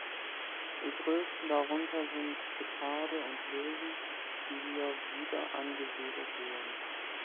Die größten darunter sind Geparde und Löwen, die hier wieder angesiedelt wurden.